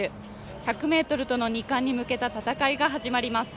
１００ｍとの２冠に向けた戦いが始まります。